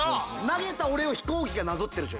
投げた俺を飛行機がなぞってる状態。